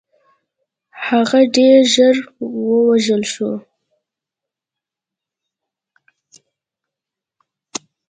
هغه ډېر ژر ووژل شو.